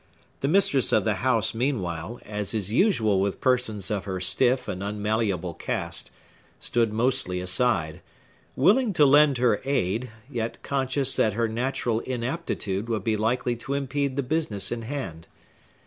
The mistress of the house, meanwhile, as is usual with persons of her stiff and unmalleable cast, stood mostly aside; willing to lend her aid, yet conscious that her natural inaptitude would be likely to impede the business in hand.